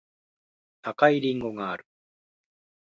赤いりんごがある